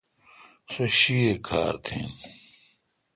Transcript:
سو شیاے کار تھین۔